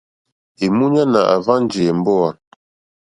Èmúɲánà àhwánjì èmbówà.